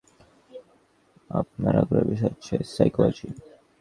আপনার আগ্রহের বিষয় হচ্ছে সাইকোলজি।